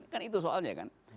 kan itu soalnya kan